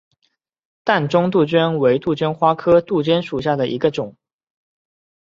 淡钟杜鹃为杜鹃花科杜鹃属下的一个种。